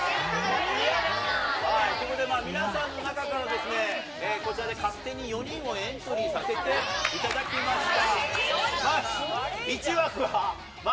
ここで皆さんの中からですね、こちらで勝手に４人をエントリーをさせていただきました。